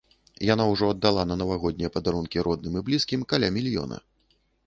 Яна ўжо аддала на навагоднія падарункі родным і блізкім каля мільёна.